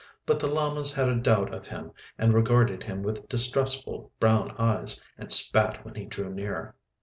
But the llamas had a doubt of him and regarded him with distrustful brown eyes and spat when he drew near.